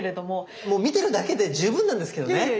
もう見てるだけで十分なんですけどね。